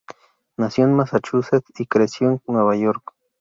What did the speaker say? Nació en Massachusetts y creció en Nueva York.